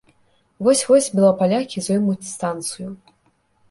Вось-вось белапалякі зоймуць станцыю.